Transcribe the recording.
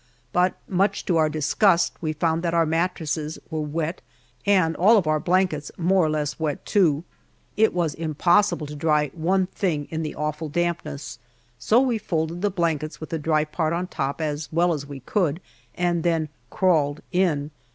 But much to our disgust we found that our mattresses were wet and all of our blankets more or less wet, too. It was impossible to dry one thing in the awful dampness, so we folded the blankets with the dry part on top as well as we could, and then "crawled in."